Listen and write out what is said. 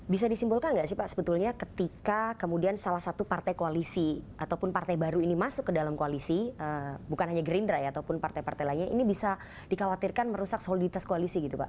bisa disimpulkan nggak sih pak sebetulnya ketika kemudian salah satu partai koalisi ataupun partai baru ini masuk ke dalam koalisi bukan hanya gerindra ya ataupun partai partai lainnya ini bisa dikhawatirkan merusak soliditas koalisi gitu pak